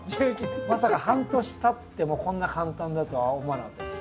まさか半年たってもこんな簡単だとは思わなかったです。